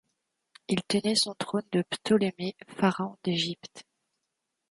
Il tenait son trône de Ptolémée, pharaon d'Égypte.